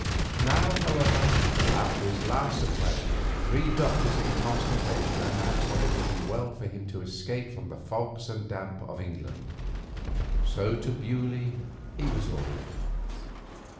Now, however, after this last attack, three doctors in consultation announced that it would be well for him to escape from the fogs and damp of England. So to Beaulieu he was ordered.